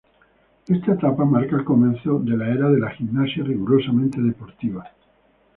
Esta etapa marca el comienzo de la era de la gimnasia rigurosamente deportiva.